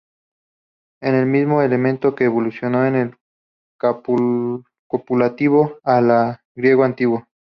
Es el mismo elemento que evolucionó en el copulativo "a" del griego antiguo.